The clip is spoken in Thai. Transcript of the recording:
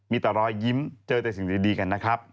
มีแต่รอยยิ้มเจอแต่สิ่งดีกันนะครับ